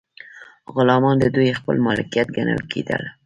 غلامان د دوی خپل مالکیت ګڼل کیدل.